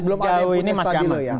belum ada yang stabilo ya